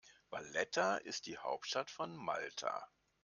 Valletta ist die Hauptstadt von Malta.